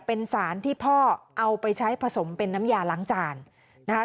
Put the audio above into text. เป็นสารที่พ่อเอาไปใช้ผสมเป็นน้ำยาล้างจานนะคะ